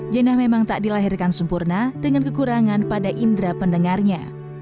jenah memang tak dilahirkan sempurna dengan kekurangan pada indera pendengarnya